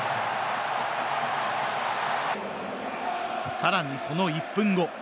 さらに、その１分後。